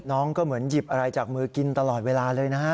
น้องก็เหมือนหยิบอะไรจากมือกินตลอดเวลาเลยนะฮะ